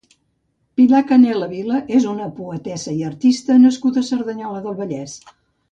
Pilar Canela Vila és una poetessa i artista nascuda a Cerdanyola del Vallès.